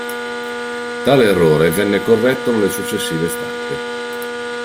Tale errore venne corretto nelle successive stampe.